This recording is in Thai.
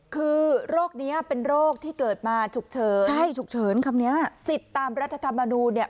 คือโรคนี้เป็นโรคที่เกิดมาฉุกเฉินใช่ฉุกเฉินคำนี้สิทธิ์ตามรัฐธรรมนูลเนี่ย